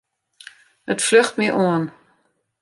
It fljocht my oan.